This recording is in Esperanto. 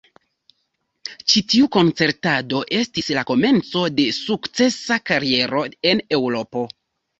Ĉi tiu koncertado estis la komenco de sukcesa kariero en Eŭropo.